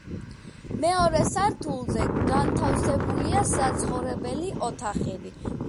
მეორე სართულზე განთავსებულია საცხოვრებელი ოთახები.